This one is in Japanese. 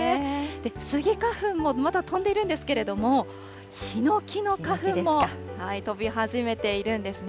スギ花粉もまだ飛んでいるんですけれども、ヒノキの花粉も飛び始めているんですね。